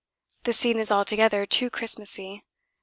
The scene is altogether too Christmassy.